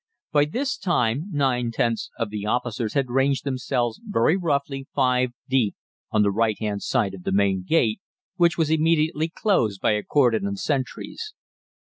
By this time nine tenths of the officers had ranged themselves very roughly five deep on the right hand side of the main gate, which was immediately closed by a cordon of sentries.